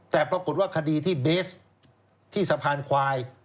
แต่ปรากฏว่าคดีที่เบสที่สะพานควาย